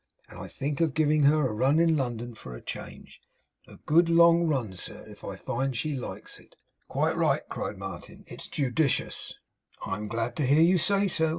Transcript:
And I think of giving her a run in London for a change. A good long run, sir, if I find she likes it.' 'Quite right,' cried Martin. 'It's judicious.' 'I am glad to hear you say so.